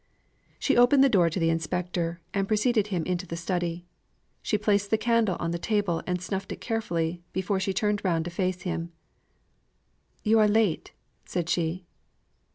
She opened the door to the Inspector, and preceded him into the study. She placed the candle on the table, and snuffed it carefully, before she turned round and faced him. "You are late!" said she.